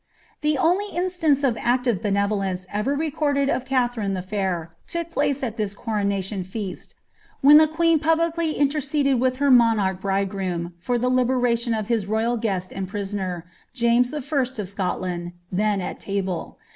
The only instance of active benevolence ever recorded of Katherine the Fair, took place at this coronation feast, when the queen publicly interceded with her monarch bridegroom for the liberation of liis royal guest and prisoner, James I. of Scotland, then at table.